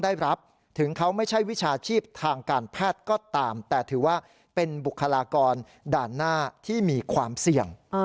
ด่านหน้าที่มีความเสี่ยง